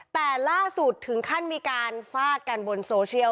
แต่ล่าสุดถึงขั้นมีการฟาดกันบนโซเชียล